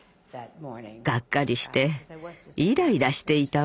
がっかりしていらいらしていたわ。